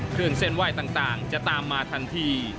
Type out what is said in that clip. เครื่องเส้นไหว้ต่างจะตามมาทันที